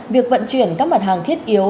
việc vận chuyển các mặt hàng thiết yếu